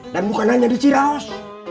dan bukan hanya di ciraos